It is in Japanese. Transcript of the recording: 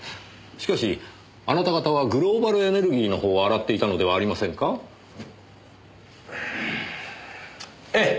しかしあなた方はグローバルエネルギーの方を洗っていたのではありませんか？ええ。